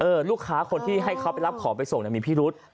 ลูกค้าคนที่ให้เขาไปรับของไปส่งมีพิรุษ